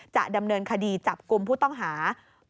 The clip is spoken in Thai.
จะดำเนินคดีจับกลุ่มผู้ต้องหา